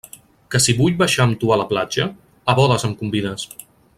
Que si vull baixar amb tu a la platja? A bodes em convides!